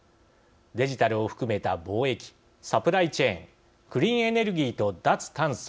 デジタルを含めた貿易、サプライチェーンクリーンエネルギーと脱炭素